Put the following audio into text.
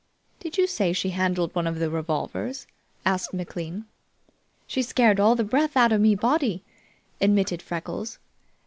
"Did you say she handled one of the revolvers?" asked McLean. "She scared all the breath out of me body," admitted Freckles.